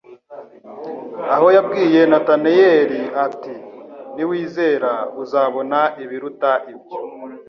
aho yabwiye Natanaeli ati: " Niwizera... uzabona ibiruta ibyo!"